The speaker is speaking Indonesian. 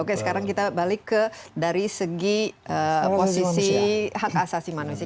oke sekarang kita balik ke dari segi posisi hak asasi manusia